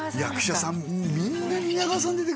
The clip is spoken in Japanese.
役者さん